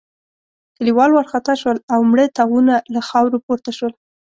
کليوال وارخطا شول او مړه تاوونه له خاورو پورته شول.